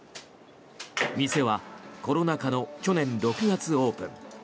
店はコロナ禍の去年６月オープン。